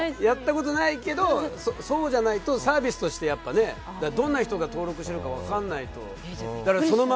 やったことないですけどそうじゃないとサービスとしてどんな人が登録してるか分からないと。